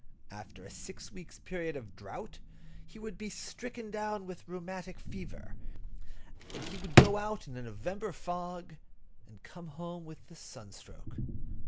After a six weeks' period of drought, he would be stricken down with rheumatic fever; and he would go out in a November fog and come home with a sunstroke.